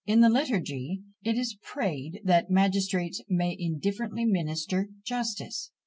In the Liturgy it is prayed that "magistrates may indifferently minister justice."